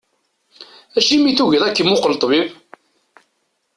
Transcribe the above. Acimi i tugiḍ ad k-imuqel ṭṭbib?